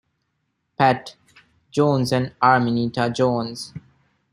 "Pat" Jones and Arminta Jones.